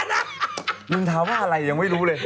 ดินทากับอะไรยังไม่รู้เลย